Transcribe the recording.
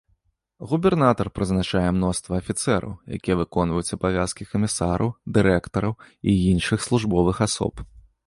Губернатар прызначае мноства афіцэраў, якія выконваюць абавязкі камісараў, дырэктараў і іншых службовых асоб.